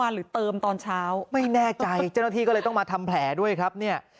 หรือเติมตอนเช้าไม่แน่ใจเจ้าหน้าที่ก็เลยต้องมาทำแผลด้วยครับเนี่ย